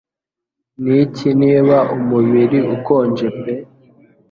Niki 'niba umubiri ukonje pe